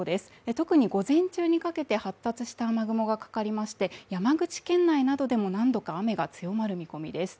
特に午前中にかけて発達した雨雲がかかりまして、山口県内などでも何度か雨が強まる見込みです。